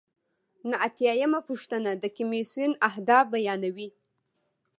نهه اتیا یمه پوښتنه د کمیسیون اهداف بیانوي.